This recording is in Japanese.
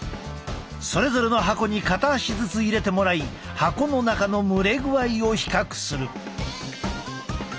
それぞれの箱に片足ずつ入れてもらい箱の中の蒸れ具合を比較する。